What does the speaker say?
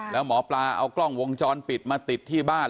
แล้วหมอปลาเอากล้องวงจรปิดมาติดที่บ้าน